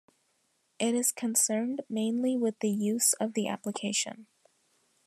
It is concerned mainly with the use of the application.